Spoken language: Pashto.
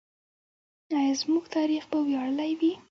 آیا زموږ تاریخ به ویاړلی وي؟